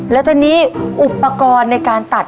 แล้วตอนนี้อุปกรณ์ในการตัด